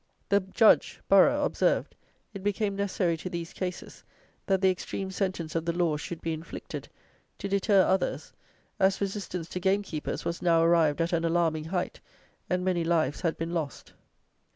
The Judge (Burrough) observed, it became necessary to these cases, that the extreme sentence of the law should be inflicted, to deter others, as resistance to gamekeepers was now arrived at an alarming height, and many lives had been lost."